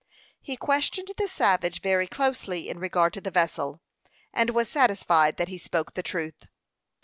He questioned the savage very closely in regard to the vessel, and was satisfied that he spoke the truth.